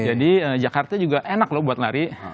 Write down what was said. jadi jakarta juga enak loh buat lari